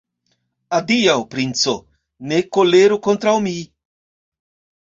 Adiaŭ, princo, ne koleru kontraŭ mi!